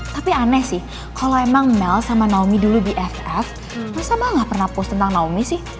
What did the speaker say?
tapi aneh sih kalo emang mel sama naomi dulu bff masa mah gak pernah post tentang naomi sih